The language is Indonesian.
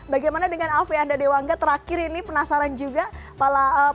bagaimana dengan afeanda dewangga terakhir ini penasaran juga para bola rovers ini